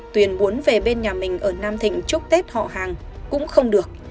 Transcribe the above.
tuyền muốn về bên nhà mình ở nam thịnh chúc tết họ hàng cũng không được